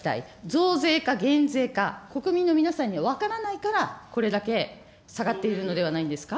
増税か減税か、国民の皆さんに分からないからこれだけ下がっているのではないんですか。